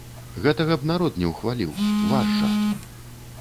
Гэтага б народ не ўхваліў, ваш жа.